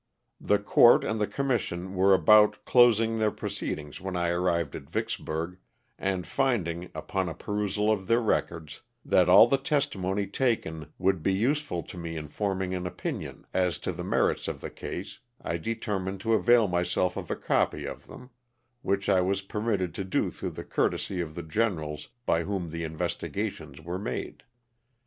The court and the commission were about closing their proceedings when I arrived at Vicksburg, and finding, upon a perusal of their records, that all the testimony taken would be useful to me in forming an opinion as to the LOSS OF THE SULTANA. 15 merits of the case, I determined to avail myself of a copy of them, which I was permitted to do through the courtesy of the generals by whom the investigations were made.